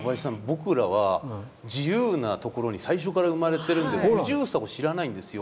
僕らは自由なところに最初から生まれてるんで不自由さを知らないんですよ。